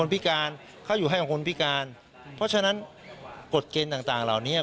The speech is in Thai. เพราะฉะนั้นกฎเกณฑ์ต่างเหล่านี้